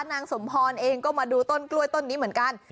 นางสมพรเองก็มาดูต้นกล้วยต้นนี้เหมือนกัน